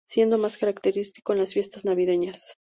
Siendo más característico en las fiestas navideñas.